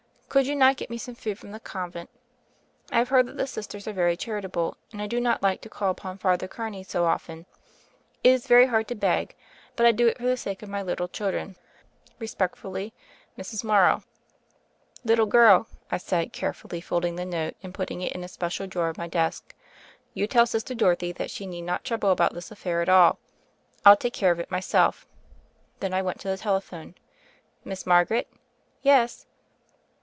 Could you not get me some food from the Convent? I have heard that the Sisters are very charitable, and I do not like to call upon Father Carney so often. It is very hard to beg, but I do it for the sake of my little children. "Respectfully, "Mrs. Morrow." "Little girl," I said, carefully folding the note and putting it in a special drawer of my desk, "you tell Sister Dorothy that she need not trouble about this aifair at all: I'll take care of it myself." Then I went to the telephone. "Miss Margaret?" "Yes."